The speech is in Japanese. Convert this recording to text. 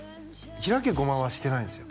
「開けゴマ」はしてないんですよ